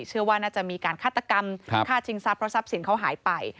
เชื่อว่าน่าจะมีการฆาตกรรมฆ่าชิงทรัพย์ทรัพย์สินเขาหายไป